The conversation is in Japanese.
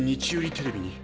テレビに。